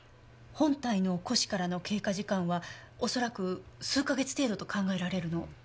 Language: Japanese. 本体の枯死からの経過時間は恐らく数か月程度と考えられるの。